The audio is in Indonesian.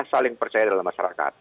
saling percaya dalam masyarakat